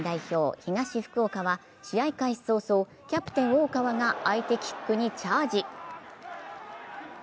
・東福岡はキャプテン・大川が相手キックにチャージ。